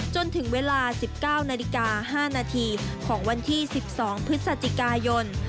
จนถึงเวลา๑๙นาฬิกา๕นาทีของวันที่๑๒พฤศจิกายน